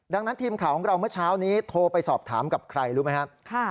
ดังนั้นทีมข่าวของเราเมื่อเช้านี้โทรไปสอบถามกับใครรู้ไหมครับ